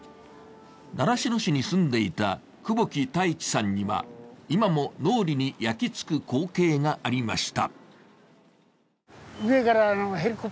習志野市に住んでいた久保木太一さんには今も脳裏に焼き付く光景がありました。